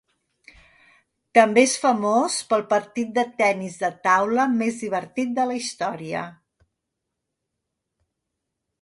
També és famós pel partit de tennis de taula més divertit de la història.